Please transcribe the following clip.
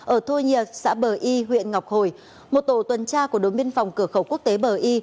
ở thôn nhiệt xã bờ y huyện ngọc hồi một tổ tuần tra của đồn biên phòng cửa khẩu quốc tế bờ y